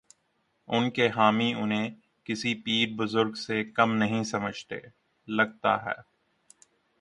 ان کے حامی انہیں کسی پیر بزرگ سے کم نہیں سمجھتے، لگتا ہے۔